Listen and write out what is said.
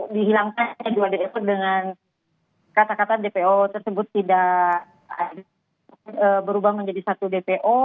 dihilangkan dua dpo dengan kata kata dpo tersebut tidak berubah menjadi satu dpo